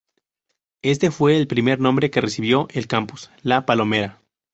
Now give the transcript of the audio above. Este fue el primer nombre que recibió el Campus: La Palomera.